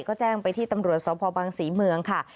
ก็แจ้งไปที่ตำรวจสพบังศรีเมืองค่ะ